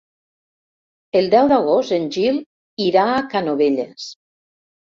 El deu d'agost en Gil irà a Canovelles.